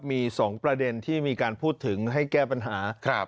มี๒ประเด็นที่มีการพูดถึงให้แก้ปัญหา